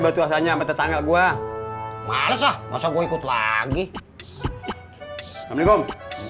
itu hanya menda tangga gua males ah masa gue ikut lagi bingung